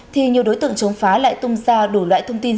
thì nhiều đối tượng chống phá lại tung ra đủ loại thông tin